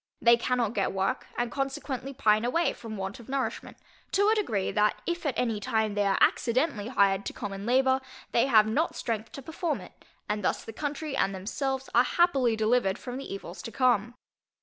They cannot get work, and consequently pine away from want of nourishment, to a degree, that if at any time they are accidentally hired to common labour, they have not strength to perform it, and thus the country and themselves are happily delivered from the evils to come.